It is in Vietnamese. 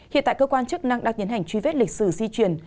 hiện tại cơ quan chức năng đang nhấn hành truy vết lịch sử di truyền